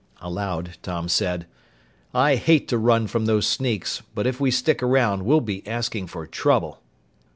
Aloud, Tom said, "I hate to run from those sneaks, but if we stick around, we'll be asking for trouble."